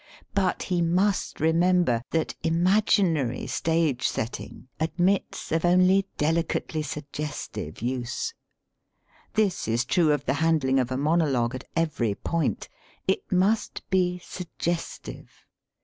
But he must remember that imaginary stage setting ad mits of only delicately suggestive use. This is true of the handling of a monologue at ev ery point. It must be suggestive.